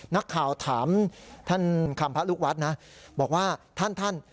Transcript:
นักข่าวถามท่านคำพระลูกวัดนะบอกว่าท่านท่าน